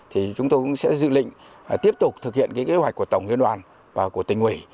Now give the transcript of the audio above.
thì chúng tôi cũng sẽ dự lịnh tiếp tục thực hiện kế hoạch của tổng liên đoàn và của tỉnh ủy